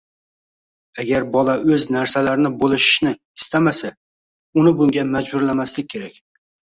Agar bola o‘z narsalarini bo‘lishishni istamasa, uni bunga majburlamaslik kerak.